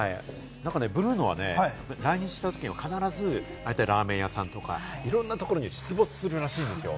ブルーノはね、来日したときは必ずラーメン屋さんとか、いろんなところに出没するらしいんですよ。